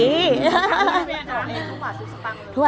ทุกวันศุษย์ตังค์หรือไม่